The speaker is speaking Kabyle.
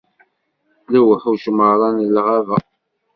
Lewḥuc merra n lɣaba.